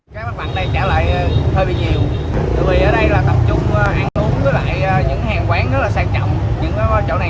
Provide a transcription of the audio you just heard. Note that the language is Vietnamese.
các mặt bằng này trả lại hơi bị nhiều